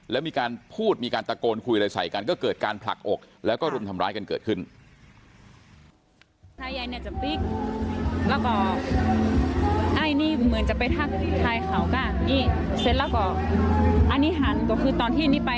แล้วมีการพูดมีการตะโกนคุยอะไรใส่กันก็เกิดการผลักอกแล้วก็รุมทำร้ายกันเกิดขึ้น